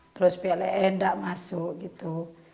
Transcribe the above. terus pilih enggak masuk gitu